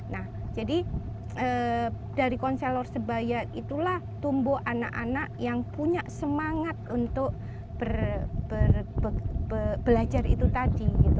nah jadi dari konselor sebaya itulah tumbuh anak anak yang punya semangat untuk belajar itu tadi